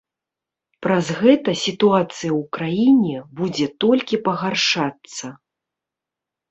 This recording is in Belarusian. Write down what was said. Праз гэта сітуацыя ў краіне будзе толькі пагаршацца.